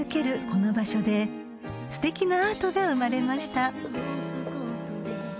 この場所ですてきなアートが生まれました］